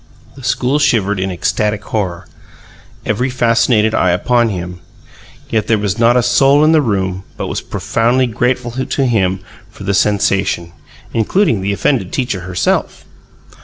The school shivered in ecstatic horror, every fascinated eye upon him; yet there was not a soul in the room but was profoundly grateful to him for the sensation including the offended teacher herself.